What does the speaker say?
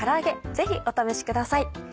ぜひお試しください。